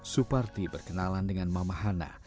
suparti berkenalan dengan mama hana